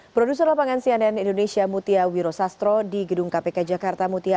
produser lapangan cnn indonesia mutia wiro sastro di gedung kpk jakarta mutia